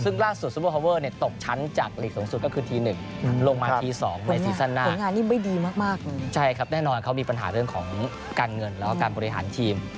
แน่นอนเขามีปัญหาเรื่องของการเงินแล้วการบริหารทีม